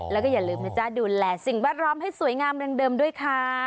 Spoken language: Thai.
แล้วก็อย่าลืมนะจ๊ะดูแลสิ่งแวดล้อมให้สวยงามดังเดิมด้วยค่ะ